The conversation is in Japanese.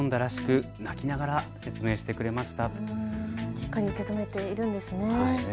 しっかり受け止めているんですね。